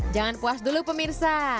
jangan puas dulu pemirsa